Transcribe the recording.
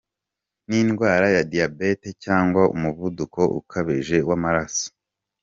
n’indwara ya Diabete cyangwa umuvuduko ukabije w’amaraso.